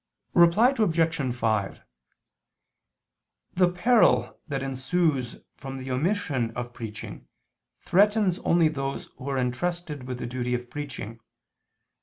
Reply Obj. 5: The peril that ensues from the omission of preaching, threatens only those who are entrusted with the duty of preaching.